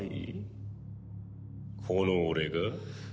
この俺が？